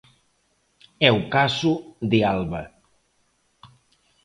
É o caso de Alba.